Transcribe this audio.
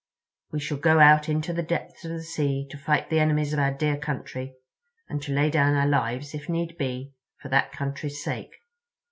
We shall go out into the depths of the sea to fight the enemies of our dear country, and to lay down our lives, if need be, for that country's sake."